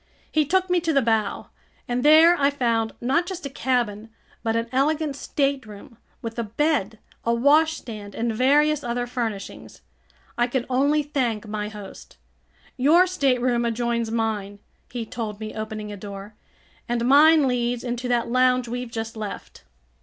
He took me to the bow, and there I found not just a cabin but an elegant stateroom with a bed, a washstand, and various other furnishings. I could only thank my host. "Your stateroom adjoins mine," he told me, opening a door, "and mine leads into that lounge we've just left."